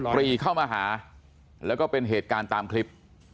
ปรีเข้ามาหาแล้วก็เป็นเหตุการณ์ตามคลิป